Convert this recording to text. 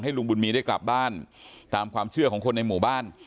ลุงบุญมีได้กลับบ้านตามความเชื่อของคนในหมู่บ้าน